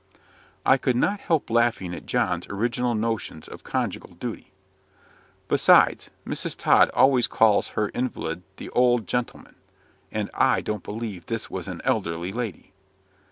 I could not help laughing at John's original notions of conjugal duty. "Besides, Mrs. Tod always calls her invalid 'the old gentleman!' and I don't believe this was an elderly lady."